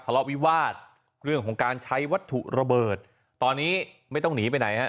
ละวิวาสเรื่องของการใช้วัตถุระเบิดตอนนี้ไม่ต้องหนีไปไหนฮะ